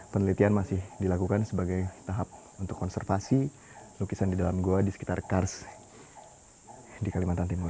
penelitian masih dilakukan sebagai tahap untuk konservasi lukisan di dalam gua di sekitar kars di kalimantan timur